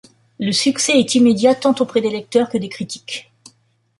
Le succès est immédiat, tant auprès des lecteurs que des critiques.